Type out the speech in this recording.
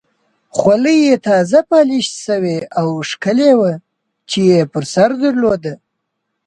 خولۍ یې تازه پالش شوې او ښکلې وه چې یې پر سر درلوده.